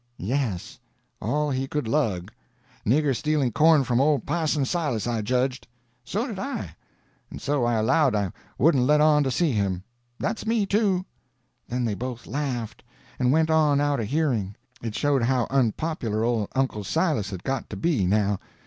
"Yes, all he could lug. Nigger stealing corn from old Parson Silas, I judged." "So did I. And so I allowed I wouldn't let on to see him." "That's me, too." Then they both laughed, and went on out of hearing. It showed how unpopular old Uncle Silas had got to be now.